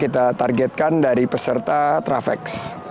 kita targetkan dari peserta travex